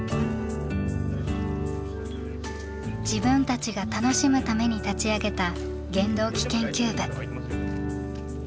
自分たちが楽しむために立ち上げた原動機研究部。